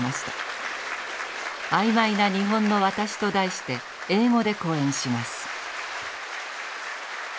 「あいまいな日本の私」と題して英語で講演します。